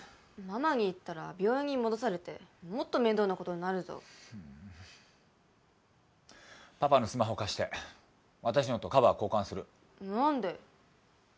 ママに言ったら病院に戻されてもっと面倒なことになるぞパパのスマホ貸して私のとカバー交換する何で？